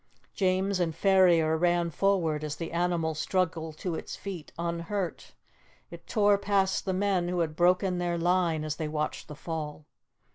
James and Ferrier ran forward as the animal struggled to its feet, unhurt; it tore past the men, who had broken their line as they watched the fall.